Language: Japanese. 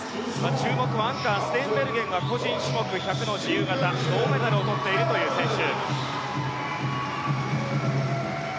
注目はアンカーステーンベルゲンは自由形で銅メダルを取っているという選手。